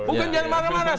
bukan jangan marah marah